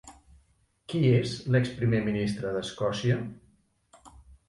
Qui és l'ex-primer ministre d'Escòcia?